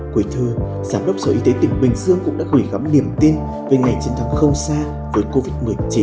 cuối thư giám đốc sở y tế tỉnh bình dương cũng đã gửi gắm niềm tin về ngày chín tháng xa với covid một mươi chín